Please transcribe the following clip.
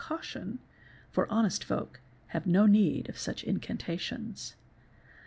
caution, for honest folk have no need of such incantations.